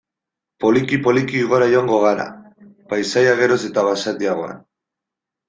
Poliki-poliki gora joango gara, paisaia geroz eta basatiagoan.